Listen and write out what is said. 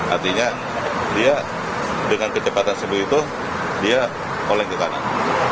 artinya dengan kecepatan sebelum itu dia oleng ke kanan